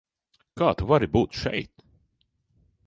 Kā tu vari būt šeit?